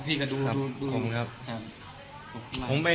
พี่ดูนะครับ